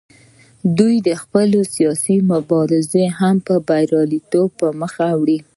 دوی خپله سیاسي مبارزه هم په بریالیتوب پر مخ وړي